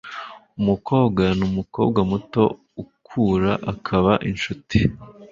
umukobwa ni umukobwa muto ukura akaba inshuti